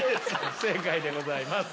不正解でございます。